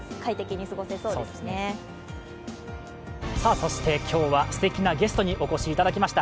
そして今日はすてきなゲストにお越しいただきました。